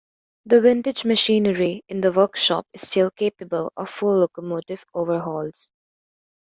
The vintage machinery in the workshop is still capable of full locomotive overhauls.